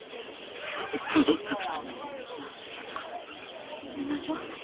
さあ寝ましょう。